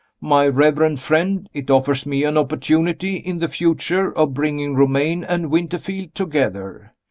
My reverend friend, it offers me an opportunity, in the future, of bringing Romayne and Winterfield together.